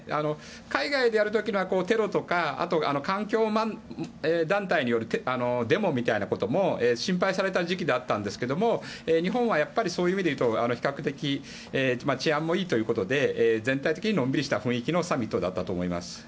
海外でやる時にはテロとかあと環境団体によるデモみたいなことも心配された時期だったんですけど日本はやっぱりそういう意味だと比較的治安もいいということで全体的にのんびりした雰囲気のサミットだったと思います。